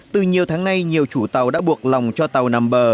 từ nhiều tháng nay nhiều chủ tàu đã buộc lòng cho tàu nằm bờ